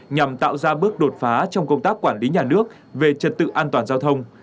nhằm tạo ra bước đột phá trong công tác quản lý nhà nước về trật tự an toàn giao thông